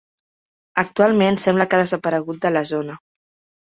Actualment sembla que ha desaparegut de la zona.